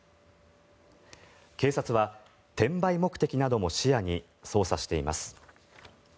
警察は転売目的なども視野に捜査しています。